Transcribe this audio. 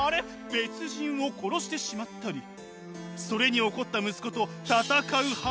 別人を殺してしまったりそれに怒った息子と戦うはめになったり。